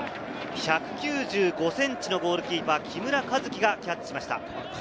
１９５ｃｍのゴールキーパー・木村和輝がキャッチしました。